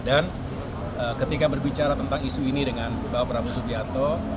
dan ketika berbicara tentang isu ini dengan bapak prabowo subianto